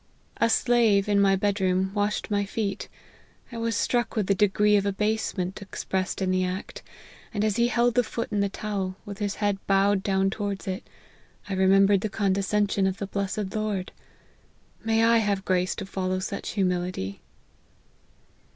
" A slave, in my bed room, washed my feet. 1 was struck with the degree of abasement expressed in the act,, and as he held the foot in the towel, with his head bowed down towards it, I remember ed the condescension of the blessed Lord. May I have grace to follow such humility